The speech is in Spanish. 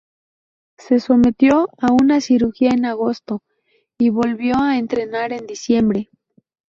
Se sometió a una cirugía en agosto y volvió a entrenar en diciembre.